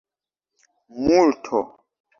multo